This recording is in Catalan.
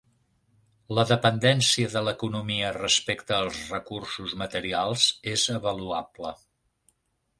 La dependència de l'economia respecte als recursos materials és avaluable.